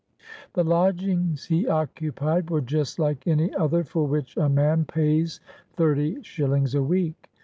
The lodgings he occupied were just like any other for which a man pays thirty shillings a week.